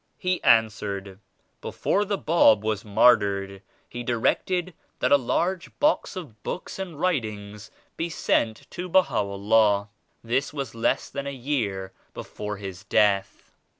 He answered "Before the Bab was martyred He directed that a large box of books and writings be sent to Baha'u'llah. This was less than a year before His death.